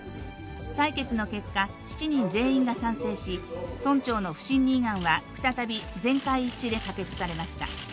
採決の結果、７人全員が賛成し、村長の不信任案は再び、全会一致で可決されました。